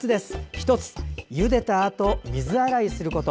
１つ、ゆでたあと水洗いすること。